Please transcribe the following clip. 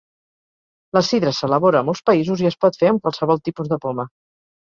La sidra s'elabora a molts països i es pot fer amb qualsevol tipus de poma.